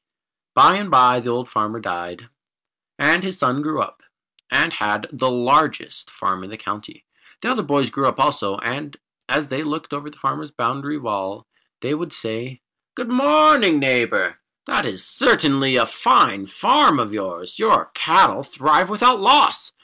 By and by the old farmer died, and his son grew up, and had the largest farm in the country. The other boys grew up also, and as they looked over the farmer's boundary wall, they would say: "Good morning, Neighbour. That is certainly a fine farm of yours. Your cattle thrive without loss.